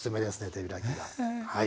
手開きがはい。